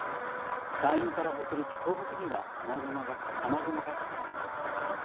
山陰から北陸、東北には雨雲がかかっています。